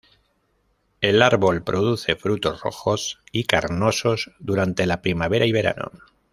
El árbol produce frutos rojos y carnosos durante la primavera y verano.